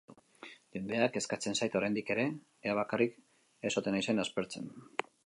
Jendea kezkatzen zait oraindik ere, ea bakarrik ez ote naizen aspertzen!